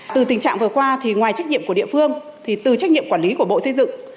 từ tình trạng vừa qua thì ngoài trách nhiệm của địa phương thì từ trách nhiệm quản lý của bộ xây dựng